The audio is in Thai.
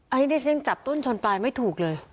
อันนี้ดิฉันจับต้นชนปลายไม่ถูกเลย